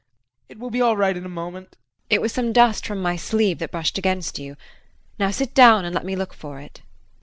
It will be all right in a moment. JULIE. It was some dust from my sleeve that brushed against you. Now sit down and let me look for it.